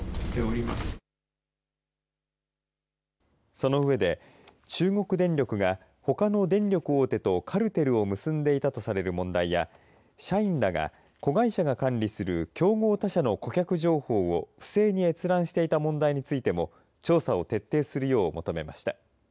その上で中国電力がほかの電力大手とカルテルを結んでいたとされる問題や社員らが子会社が管理する競合他社の顧客情報を不正に閲覧していた問題についても調査を徹底するよう求めました。